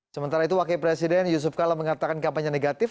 sementara itu wakil presiden yusuf kala mengatakan kampanye negatif